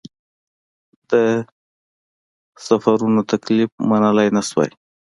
ده د سفرونو تکلیف منلای نه شوای.